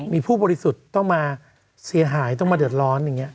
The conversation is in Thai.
มีผู้บริสุทธิ์ต้องมาเสียหายต้องมาเดือดร้อนอย่างนี้